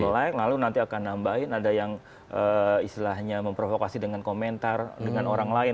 jelek lalu nanti akan nambahin ada yang istilahnya memprovokasi dengan komentar dengan orang lain